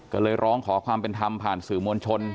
ก็เลยร้องขอความเป็นธรรมผ่านสื่อมวลชน